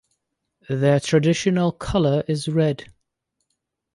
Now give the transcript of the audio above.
Their traditional colour is red.